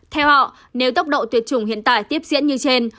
theo họ nếu tốc độ tuyệt chủng hiện tại tiếp diễn như trên